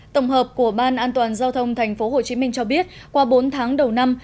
tổng hợp của ban an toàn giao thông tp hcm cho biết qua bốn tháng đầu năm